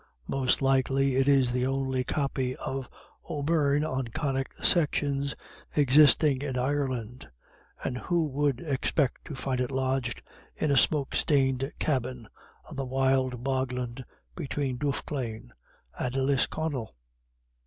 Most likely it is the only copy of "O'Beirne on Conic Sections" existing in Ireland; and who would expect to find it lodged in a smoke stained cabin on the wild bogland between Duffclane and Lisconnel?